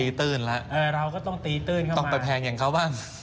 ตีตื้นละเออเราก็ต้องตีตื้นเข้ามาต้องไปแพงอย่างเขาบ้าง